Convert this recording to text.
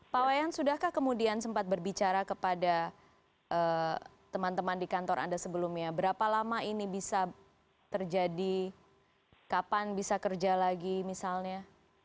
pak wayan sudahkah kemudian sempat berbicara kepada teman teman di kantor anda sebelumnya berapa lama ini bisa terjadi kapan bisa kerja lagi misalnya